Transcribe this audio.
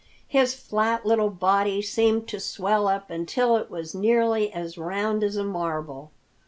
His flat little body seemed to swell up until it was nearly as round as a marble.